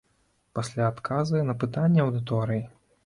Пасля адказы на пытанні аўдыторыі.